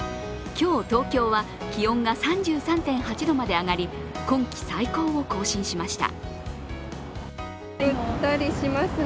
今日、東京は気温が３３．８度まで上がり今季最高を更新しました。